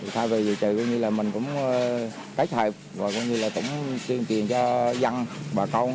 thay vì vậy mình cũng kết hợp truyền truyền cho dân bà công